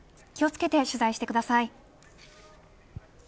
気を付けて取材をしてください。